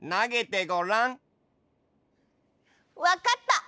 わかった！